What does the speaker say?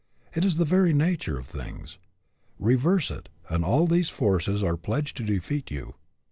It is the very nature of things. Reverse it, and all these forces are pledged to defeat you.